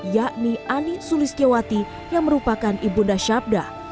yakni ani suliskiwati yang merupakan ibunda syabda